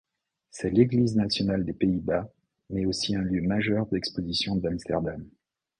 C'est l'église nationale des Pays-Bas mais aussi un lieu majeur d'expositions d'Amsterdam.